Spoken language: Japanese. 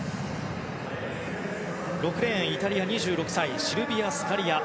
６レーン、イタリアの２６歳シルビア・スカリア。